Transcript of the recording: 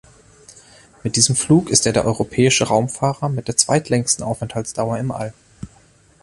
Mit diesem Flug ist er der europäische Raumfahrer mit der zweitlängsten Aufenthaltsdauer im All.